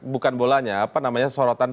bukan bolanya apa namanya sorotan